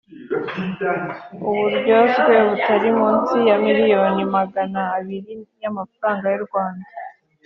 uburyozwe butari munsi ya: miliyoni magana abiri y’amafaranga y’u Rwanda